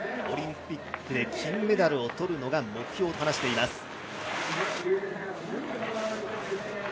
オリンピックで金メダルをとるのが目標と話します。